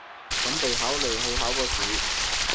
準備考慮去考個試